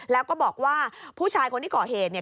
แล้วก็บอกว่าผู้ชายคนที่ก่อเหตุเนี่ย